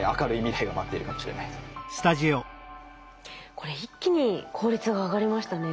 これ一気に効率が上がりましたね。